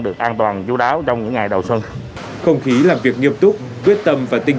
được an toàn chú đáo trong những ngày đầu xuân không khí làm việc nghiêm túc quyết tâm và tinh